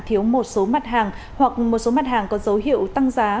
thiếu một số mặt hàng hoặc một số mặt hàng có dấu hiệu tăng giá